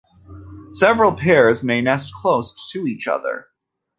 Several pairs may nest close to each other.